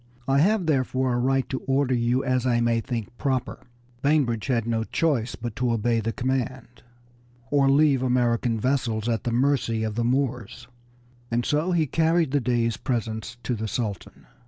I have, therefore, a right to order you as I may think proper." Bainbridge had no choice but to obey the command, or leave American merchant vessels at the mercy of the Moors, and so he carried the Dey's presents to the Sultan.